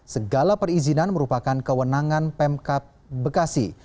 segala perizinan merupakan kewenangan pemkap bekasi